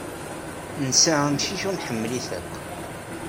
Nesɛa amcic u nḥemmel-it akk.